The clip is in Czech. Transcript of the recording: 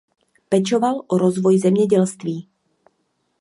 Pečoval o rozvoj zemědělství.